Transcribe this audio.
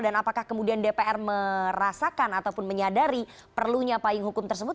dan apakah kemudian dpr merasakan ataupun menyadari perlunya payung hukum tersebut